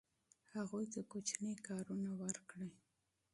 هغوی ته کوچني کارونه ورکړئ.